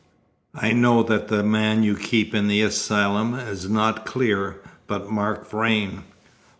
I know that the man you keep in the asylum is not Clear, but Mark Vrain."